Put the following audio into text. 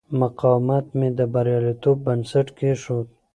مقاومت مې د بریالیتوب بنسټ کېښود.